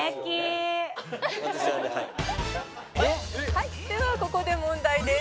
「はいではここで問題です」